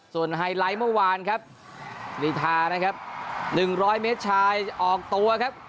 ส่วนไฮไลท์เมื่อวานครับรีทานะครับ๑๐๐เมตรชายออกตัวครับ